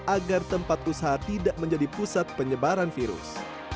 agar tempat usaha tidak menjadi pusat penyebaran virus